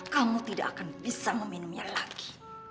kamu tidak akan bisa meminumnya lagi